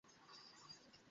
এর নাম রাখা হয় নায়ফতালী।